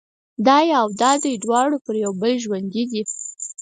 دای او دادۍ دواړه پر یو بل ژوندي دي.